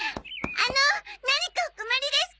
あの何かお困りですか？